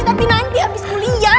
tapi nanti abis kuliah